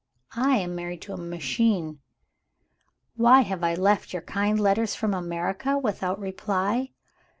I am married to a Machine. "Why have I left your kind letters from America without reply?